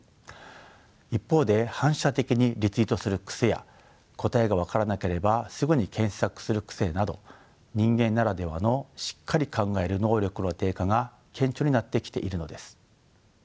一方で反射的にリツイートする癖や答えが分からなければすぐに検索する癖など人間ならではのしっかり考える能力の低下が顕著になってきているのです。